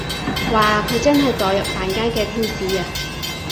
哇佢真係墮入凡間嘅天使啊